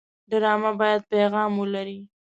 ډرامه باید پیغام ولري